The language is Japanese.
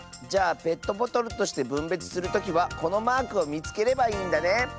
じゃあペットボトルとしてぶんべつするときはこのマークをみつければいいんだね。